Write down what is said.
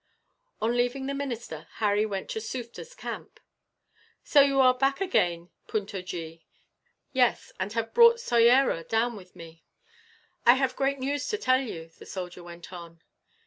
On leaving the minister, Harry went to Sufder's camp. "'So you are back again, Puntojee?" "Yes, and have brought Soyera down with me." "I have great news to tell you," the soldier went on.